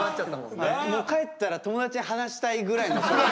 帰ったら友達に話したいぐらいの衝撃。